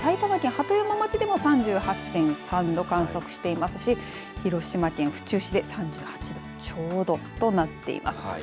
そして埼玉県鳩山町でも３８．３度観測していますし広島県府中市で３８度ちょうどとなっています。